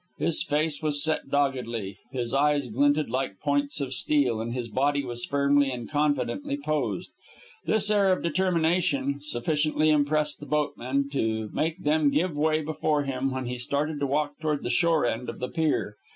His face was set doggedly, his eyes glinted like points of steel, and his body was firmly and confidently poised. This air of determination sufficiently impressed the boatmen to make them give way before him when he started to walk toward the shore end of the pier.